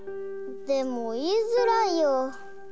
でもいいづらいよ。